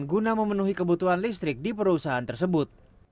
guna memenuhi kebutuhan listrik di perusahaan tersebut